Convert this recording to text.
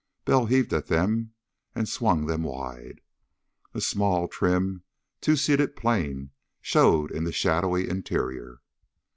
Bell heaved at them and swung them wide. A small, trim, two seated plane showed in the shadowy interior.